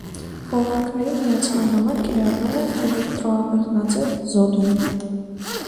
Խողովակների միացման համար կիրառվել են էլեկտրոաղեղնաձև զոդում։